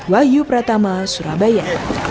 wahyu pratama surabaya